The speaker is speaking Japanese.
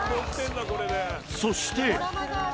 そして。